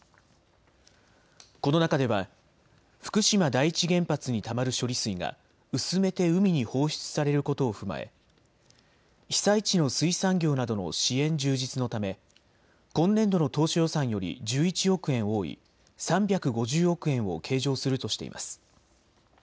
この中では福島第一原発にたまる処理水が薄めて海に放出されることを踏まえ被災地の水産業などの支援充実のため今年度の当初予算より１１億円多い３５０億円を計上するとしています。